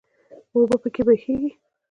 اوبه پکې بهیږي.